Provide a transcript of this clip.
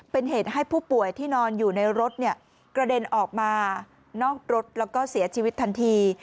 เป็นเหตุให้ผู้ป่วยที่นอนอยู่ในรถกระเด็นออกมานอกรถแล้วก็เสียชีวิตทันที